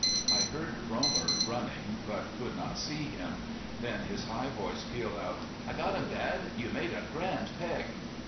I heard Romer running, but could not see him. Then his high voice pealed out: "I got him, Dad. You made a grand peg!"